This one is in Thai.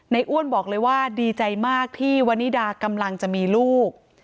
อ้วนบอกเลยว่าดีใจมากที่วันนิดากำลังจะมีลูก